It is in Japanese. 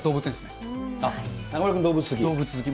中丸君、動物好き？